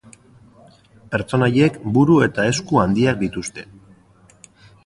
Pertsonaiek buru eta esku handiak dituzte.